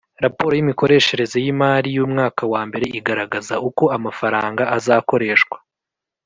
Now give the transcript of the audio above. Raporo y imikoreshereze y imari y umwaka wa mbere iragaragaza uko amafaranga azakoreshwa